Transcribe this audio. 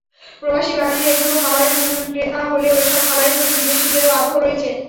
প্রবাসী বাঙালিরা এগুলো খাবারের মূল ক্রেতা হলেও এসব খাবারের প্রতি বিদেশিদেরও আগ্রহ রয়েছে।